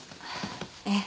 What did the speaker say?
ええ。